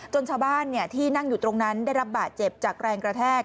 ชาวบ้านที่นั่งอยู่ตรงนั้นได้รับบาดเจ็บจากแรงกระแทก